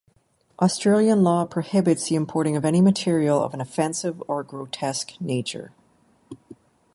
Australian law prohibits the importing of any material of an offensive or grotesque nature.